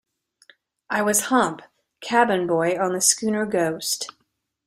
I was Hump, cabin boy on the schooner Ghost.